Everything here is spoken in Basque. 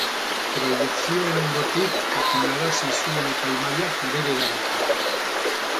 Proiekzioen ondotik jakinarazi zuen epaimahaiak bere erabakia.